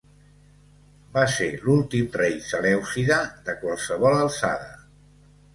Va ser l'últim rei selèucida de qualsevol alçada.